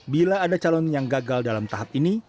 bila ada calon yang gagal dalam tahap ini